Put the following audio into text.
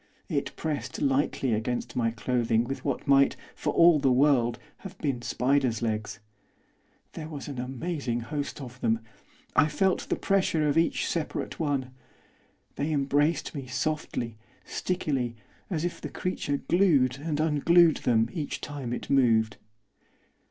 It pressed lightly against my clothing with what might, for all the world, have been spider's legs. There was an amazing host of them, I felt the pressure of each separate one. They embraced me softly, stickily, as if the creature glued and unglued them, each time it moved.